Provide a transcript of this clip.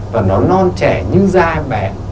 và nó non trẻ như da em bé